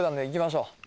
行きましょう！